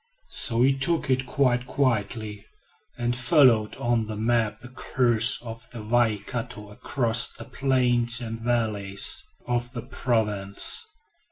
So he took it quite quietly and followed on the map the course of the Waikato across the plains and valleys of the province.